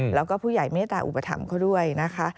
แล้วก็ผู้ใหญ่เมตตาอุปถัมภ์เขาด้วยนะคะ